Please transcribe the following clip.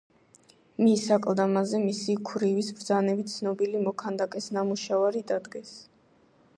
მის აკლდამაზე, მისი ქვრივის ბრძანებით ცნობილი მოქანდაკეს ნამუშევარი დადგეს.